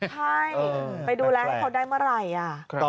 ใช่ไปดูแลให้เขาได้เมื่อไหร่